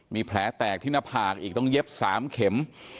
มีแผลแตกที่หน้าผากอีกต้องเย็บ๓เข็ม